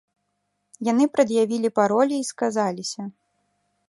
Яны прад'явілі паролі і сказаліся.